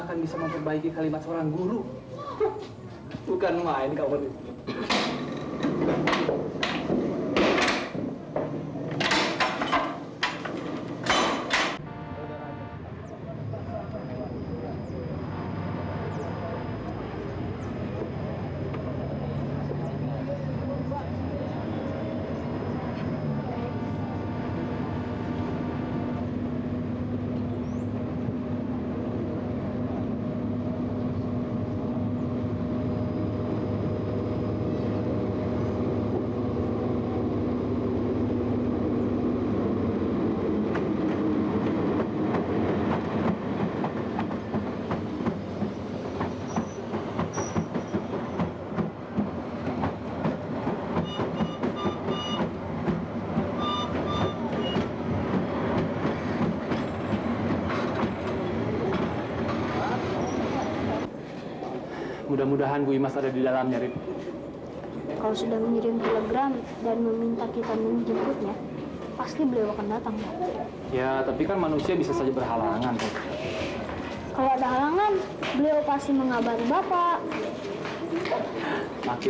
karena lebih cepat ya karena itu harus belajar kita harus belajar bagaimana cara menghargai